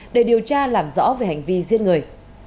để điều tra làm rõ về hành vi giết người